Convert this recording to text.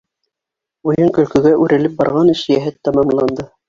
Уйын-көлкөгә үрелеп барған эш йәһәт тамамланды.